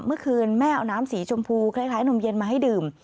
เมื่อคืนแม่เอาน้ำสีชมพูคล้ายนมเย็นมาให้ดื่ม